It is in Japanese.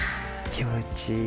気持ちいい。